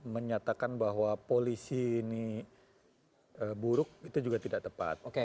menyatakan bahwa polisi ini buruk itu juga tidak tepat